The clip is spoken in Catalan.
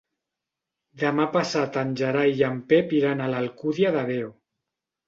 Demà passat en Gerai i en Pep iran a l'Alcúdia de Veo.